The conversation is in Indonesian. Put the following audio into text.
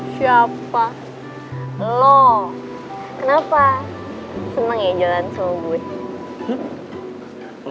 siapa lo kenapa seneng ya jalan semuanya